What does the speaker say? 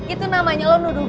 itu namanya lo nuduh